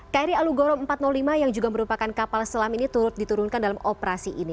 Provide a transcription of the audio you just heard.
kri alugoro empat ratus lima yang juga merupakan kapal selam ini turut diturunkan dalam operasi ini